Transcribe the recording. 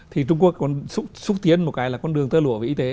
thì trung quốc còn xúc tiến một cái là con đường tơ lụa về y tế